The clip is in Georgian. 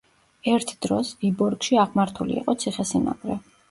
ერთ დროს, ვიბორგში აღმართული იყო ციხესიმაგრე.